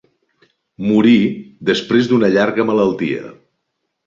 Morí, després d'una llarga malaltia.